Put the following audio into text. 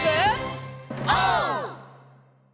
オー！